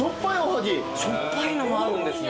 しょっぱいのもあるんですね。